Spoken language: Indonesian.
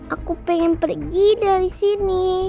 aku pengen pergi dari sini